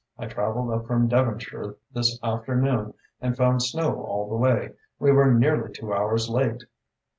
I travelled up from Devonshire this afternoon and found snow all the way. We were nearly two hours late."